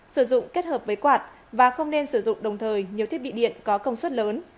sử dụng kết hợp với quạt và không nên sử dụng đồng thời nhiều thiết bị điện có công suất lớn